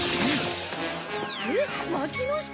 えっわきの下？